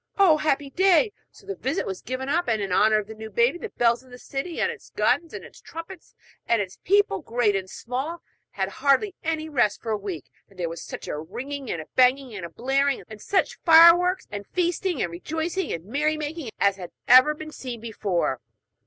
Oh, happy day!' So the visit was given up; and, in honour of the new baby, the bells of the city, and its guns, and its trumpets, and its people, small and great, had hardly any rest for a week; there was such a ringing, and banging, and blaring, and such fireworks, and feasting, and rejoicing, and merry making, as had never been seen before.